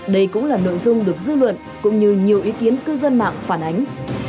đây cũng là nội dung được dư luận cũng như nhiều ý kiến cư dân mạng phản ánh